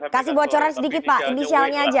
kasih bocoran sedikit pak inisialnya aja